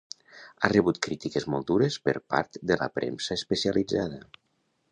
Ha rebut crítiques molt dures per part de la premsa especialitzada.